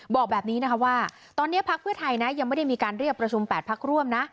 บอกแบบนี้นะคะว่าตอนนี้พักเพื่อไทยนะยังไม่ได้มีการเรียกประชุม๘พักร่วมนะ